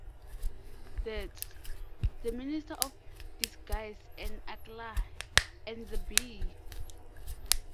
Deeds, The Master of Disguise and Akeelah and the Bee.